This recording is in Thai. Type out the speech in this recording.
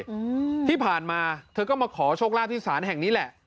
อืมที่ผ่านมาเธอก็มาขอโชคลาภที่ศาลแห่งนี้แหละ